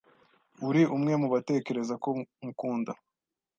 uri umwe mu batekereza ko nkukunda